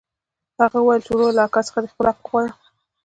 هغه وويل چې وروره له اکا څخه دې خپل حق وغواړه.